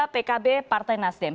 pkb partai nasdem